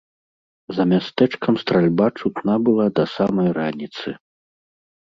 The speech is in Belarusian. За мястэчкам стральба чутна была да самай раніцы.